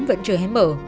vẫn chưa hết mở